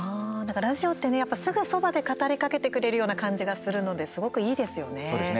ラジオってね、すぐそばで語りかけてくれるような感じがするので、すごくいいですよね。